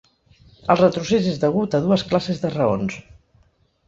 El retrocés és degut a dues classes de raons.